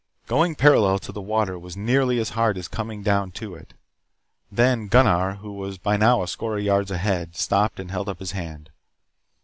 Going parallel to the water was nearly as hard as coming down to it. Then Gunnar, who by now was a score of yards ahead, stopped and held up his hand.